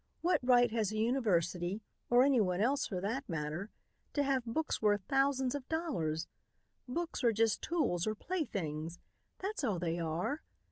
What right has a university, or anyone else for that matter, to have books worth thousands of dollars? Books are just tools or playthings. That's all they are.